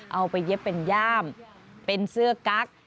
เอาไปเย็บเป็นย่ามเป็นเสื้อกั๊ก